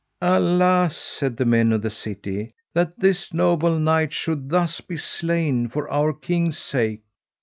Alas, said the men of the city, that this noble knight should thus be slain for our king's sake.